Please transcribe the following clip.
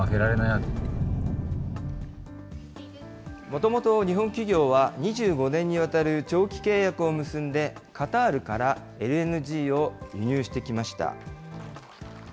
もともと日本企業は、２５年にわたる長期契約を結んで、カタールからＬＮＧを輸入してきました。